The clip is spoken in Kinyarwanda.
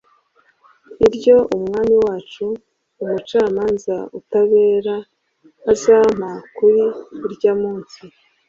iryo Umwami wacu umucamanza utabera azampa kuri urya munsi.